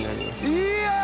いや！